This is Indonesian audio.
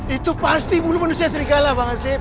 itu pasti bulu manusia serigala bang asep